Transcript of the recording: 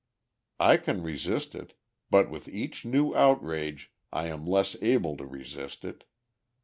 I can resist it, but with each new outrage I am less able to resist it.